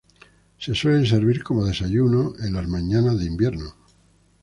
Se suele servir como desayuno en las mañanas de invierno.